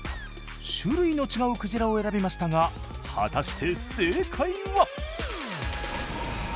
種類の違うクジラを選びましたが果たして正解は？